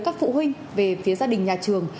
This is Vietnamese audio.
các phụ huynh về phía gia đình nhà trường